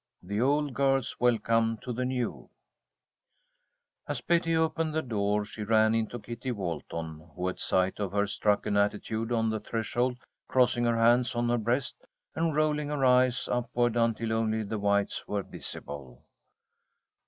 "THE OLD GIRLS' WELCOME TO THE NEW" AS Betty opened the door, she ran into Kitty Walton, who at sight of her struck an attitude on the threshold, crossing her hands on her breast, and rolling her eyes upward until only the whites were visible.